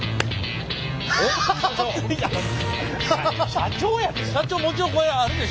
社長やで？